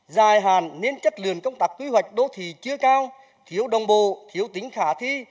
dài hạn nên chất lượng công tác quy hoạch đô thị chưa cao thiếu đồng bộ thiếu tính khả thi